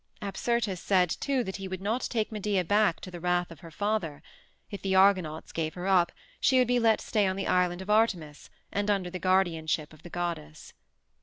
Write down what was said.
Apsyrtus said, too, that he would not take Medea back to the wrath of her father; if the Argonauts gave her up she would be let stay on the island of Artemis and under the guardianship of the goddess.